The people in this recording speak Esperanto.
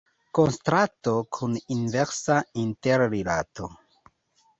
Kontrasto kun inversa interrilato.